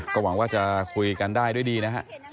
ก็หวังว่าจะคุยกันได้ด้วยดีนะฮะ